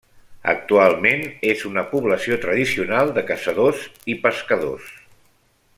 Actualment és una població tradicional de caçadors i pescadors.